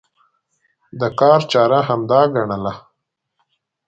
د کار چاره همدا ګڼله.